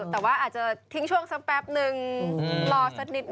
แต่ว่าอาจจะทิ้งช่วงสักแป๊บนึงรอสักนิดน